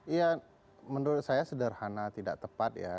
ya menurut saya sederhana tidak tepat ya